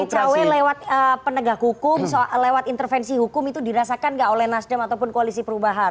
cawe lewat penegak hukum lewat intervensi hukum itu dirasakan nggak oleh nasdem ataupun koalisi perubahan